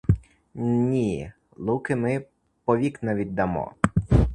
Ні, луки ми повік не віддамо!